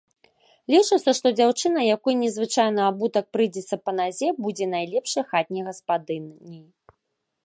Лічыцца, што дзяўчына, якой незвычайны абутак прыйдзецца па назе, будзе найлепшай хатняй гаспадыняй.